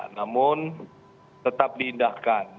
namun tetap diindahkan